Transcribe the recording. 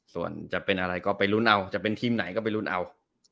ส่วนจะเป็นอะไรก็ไปลุ้นเอาจะเป็นทีมไหนก็ไปลุ้นเอา